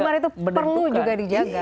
kamar itu perlu juga dijaga